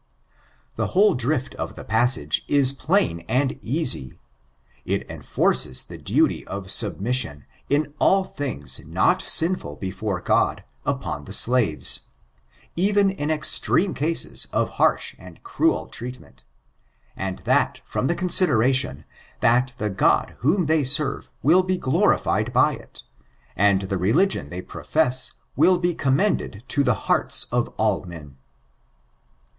The whole drift of the passage is plain and easy. It enforces the duty of submission, in all things not sinful ^»»n#»»»#%i^» 0^0 ^1 ^^«^^^«^«^M^^^^ 544 STBICTUBBB b^re Gkxi, upon the slaves ; eren in extreme cases of harsh and cruel treatment ; and that from the considera tion that the God whom they serve, will be glorified bj ity and the religion they profess will be commended to the hearts of all men.